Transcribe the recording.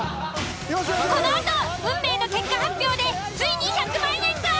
このあと運命の結果発表でついに１００万円が！？